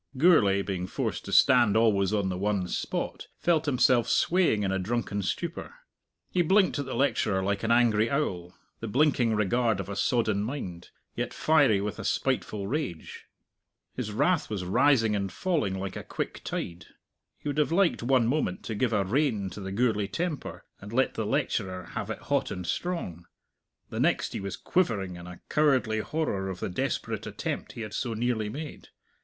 Gourlay, being forced to stand always on the one spot, felt himself swaying in a drunken stupor. He blinked at the lecturer like an angry owl the blinking regard of a sodden mind, yet fiery with a spiteful rage. His wrath was rising and falling like a quick tide. He would have liked one moment to give a rein to the Gourlay temper, and let the lecturer have it hot and strong; the next, he was quivering in a cowardly horror of the desperate attempt he had so nearly made.